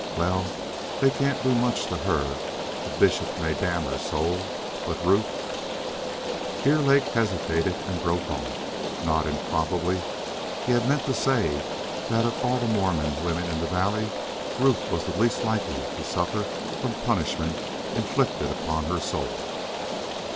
Well, they can't do much to her. The bishop may damn her soul. But Ruth " Here Lake hesitated and broke off. Not improbably he had meant to say that of all the Mormon women in the valley Ruth was the least likely to suffer from punishment inflicted upon her soul.